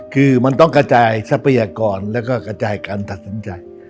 คือมันต้องกระจายทรัพยากรแล้วก็กระจายการตัดสินใจ